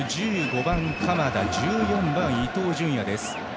１５番、鎌田１４番、伊東純也です。